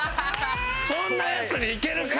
そんなヤツにいけるか？